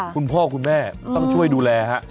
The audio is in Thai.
คุณพ่อคุณแม่ต้องช่วยดูแลฮะ